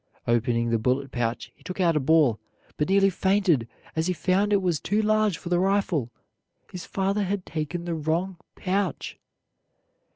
Opening the bullet pouch, he took out a ball, but nearly fainted as he found it was too large for the rifle. His father had taken the wrong pouch.